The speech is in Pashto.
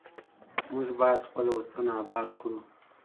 موږ باید خپل وطن اباد کړو.